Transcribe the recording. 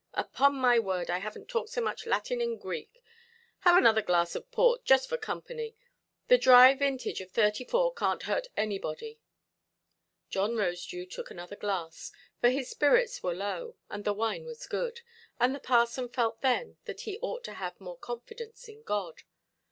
Upon my word, I havenʼt talked so much Latin and Greek—have another glass of port, just for company; the dry vintage of '34 canʼt hurt anybody". John Rosedew took another glass, for his spirits were low, and the wine was good, and the parson felt then that he ought to have more confidence in God.